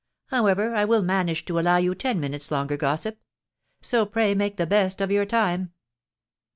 However, I will manage to allow you ten minutes longer gossip. So pray make the best of your time."